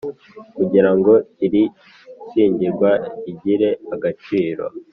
Kugira ngo iri shyingirwa rigire agaciro